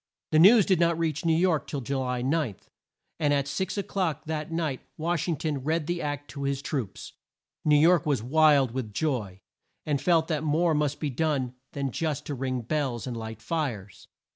The news did not reach New York till Ju ly 9, and at six o'clock that night Wash ing ton read the Act to his troops. New York was wild with joy, and felt that more must be done than just to ring bells and light fires.